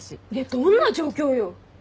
どんな状況よ。